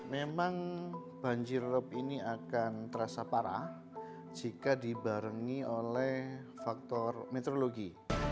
memang banjir rob ini akan terasa parah jika dibarengi oleh faktor meteorologi